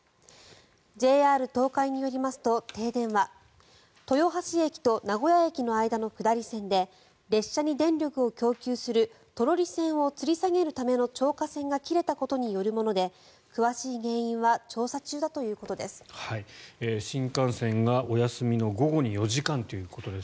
ＪＲ東海によりますと停電は豊橋駅と名古屋駅の間の下り線で列車に電力を供給するトロリ線を吊り下げるための吊架線が切れたことによるもので詳しい原因は調査中だということです。